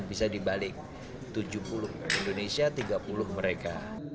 dan bisa dibalik tujuh puluh indonesia tiga puluh mereka